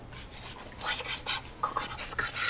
もしかしてここの息子さん？